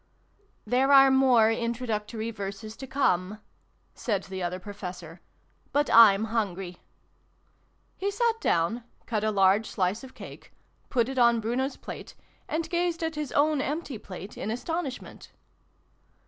"There are more Introductory Verses to come," said the Other Professor, "but I'm hungry." He sat down, cut a large slice of cake, put it on Bruno's plate, and gazed at his own empty plate in astonishment.